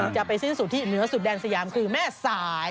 จะไปสิ้นสุดที่เหนือสุดแดนสยามคือแม่สาย